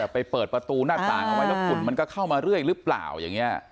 ไปเปิดประตูหน้าต่างเอาไว้แล้วฝุ่นมันก็เข้ามาเรื่อยหรือเปล่าอย่างนี้